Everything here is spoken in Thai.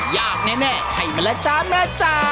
ยากแน่ใช่มาแล้วจ้าแม่จ้า